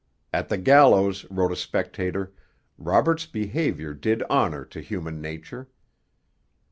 At the gallows, wrote a spectator, Roberts's behaviour 'did honour to human nature.'